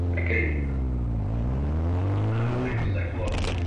I think everybody's enjoyed doing their own thing.